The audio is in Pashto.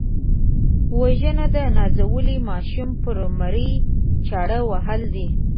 وژنه د نازولي ماشوم پر مرۍ چاړه وهل دي